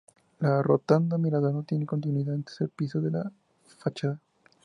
La Rotonda-Mirador no tiene continuidad en el tercer piso de la fachada.